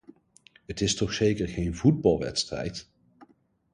Het is toch zeker geen voetbalwedstrijd!